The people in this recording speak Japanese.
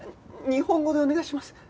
日本語でお願いします。